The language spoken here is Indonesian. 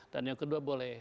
dan yang kedua boleh